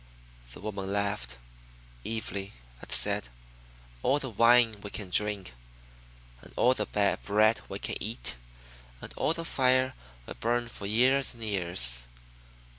The woman laughed evilly, and said, 'All the wine we can drink, and all the bread we can eat, and all the fire we burn for years and years.'"